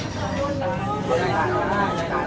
สวัสดีครับสวัสดีครับ